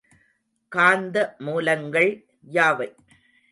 காந்த மூலங்கள் யாவை?